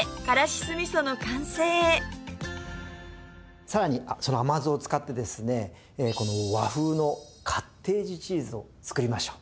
これでさらにその甘酢を使ってですねこの和風のカッテージチーズを作りましょう。